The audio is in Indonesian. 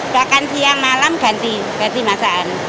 bahkan siang malam ganti masakan